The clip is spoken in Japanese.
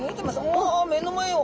お目の前を！